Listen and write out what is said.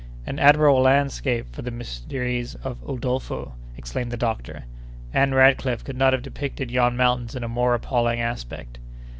"An admirable landscape for the 'Mysteries of Udolpho'!" exclaimed the doctor. "Ann Radcliffe could not have depicted yon mountains in a more appalling aspect."